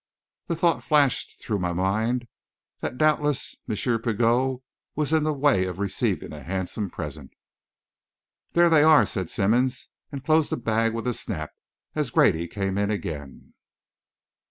The thought flashed through my mind that doubtless M. Pigot was in the way of receiving a handsome present. "There they are," said Simmonds, and closed the bag with a snap, as Grady came in again.